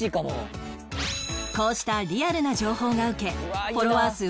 こうしたリアルな情報が受けフォロワー